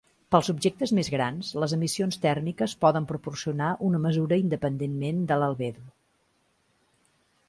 Pels objectes més grans, les emissions tèrmiques poden proporcionar una mesura independent de l'albedo.